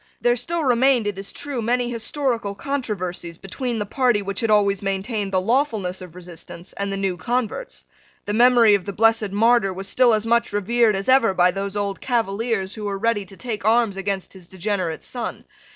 There still remained, it is true, many historical controversies between the party which had always maintained the lawfulness of resistance and the new converts. The memory of the blessed Martyr was still as much revered as ever by those old Cavaliers who were ready to take arms against his degenerate son.